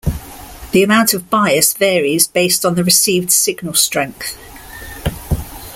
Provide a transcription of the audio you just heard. The amount of bias varies based on the received signal strength.